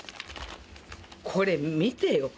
これ見てよ。